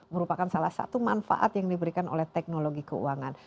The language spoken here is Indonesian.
merupakan salah satu manfaat yang diberikan oleh teknologi keuangan